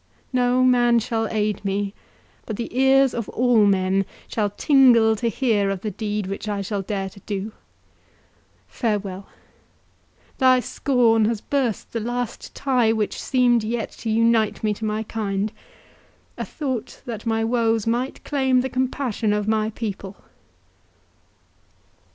—No man shall aid me, but the ears of all men shall tingle to hear of the deed which I shall dare to do!—Farewell!—thy scorn has burst the last tie which seemed yet to unite me to my kind—a thought that my woes might claim the compassion of my people."